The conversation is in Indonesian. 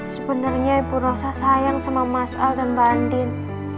sebenarnya ibu rasa sayang sama mas al dan mbak andin